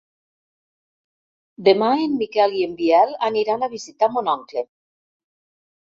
Demà en Miquel i en Biel aniran a visitar mon oncle.